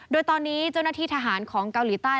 โดยตอนนี้เจ้าหน้าที่ทหารของเกาหลีใต้